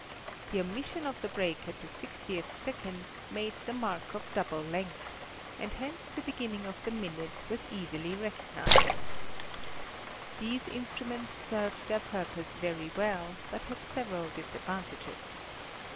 The omission of the break at the sixtieth second, made the mark of double length, and hence the beginning of the minute was = sak Telegraphic Determinations of Longitude. 9 easily recognized. These instruments served their purpose very well, but had several disadvantages.